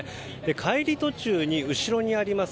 帰り途中に後ろにあります